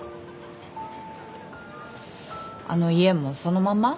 あの家もそのまま？